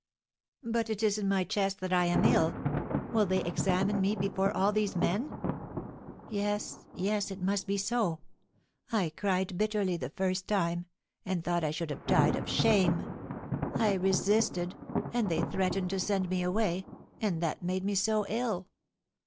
"But it is in my chest that I am ill; will they examine me before all these men?" "Yes yes it must be so. I cried bitterly the first time, and thought I should have died of shame. I resisted, and they threatened to send me away, and that made me so ill.